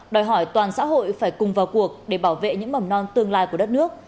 đòi hỏi toàn xã hội phải cùng vào cuộc để bảo vệ những mầm non tương lai của đất nước